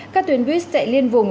các tuyến buýt chạy liên vùng